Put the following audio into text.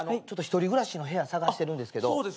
１人暮らしの部屋探してるんですけど。